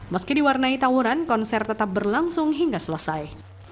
meski diwarnai tawuran konser tetap berlangsung hingga selesai